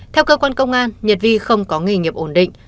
theo cơ quan công an nhật vi không có nghề nghiệp ổn định